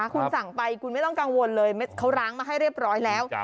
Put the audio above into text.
คุณสั่งไปคุณไม่ต้องกังวลเลยเขาล้างมาให้เรียบร้อยแล้ว